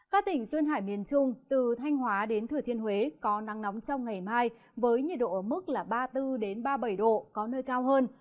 các tỉnh duyên hải miền trung từ thanh hóa đến thừa thiên huế có nắng nóng trong ngày mai với nhiệt độ ở mức ba mươi bốn ba mươi bảy độ có nơi cao hơn